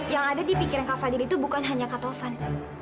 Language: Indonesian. yang ada di pikiran kak fadil itu bukan hanya kak tovan